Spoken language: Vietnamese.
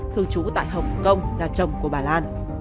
thường trú tại hồng kông là chồng của bà lan